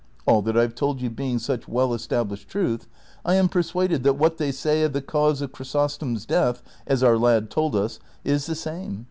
All that I have told you being such well established truth, I am persuaded that what they say of the ca\ise of Chrysostom's death, as our lad told us, is the same.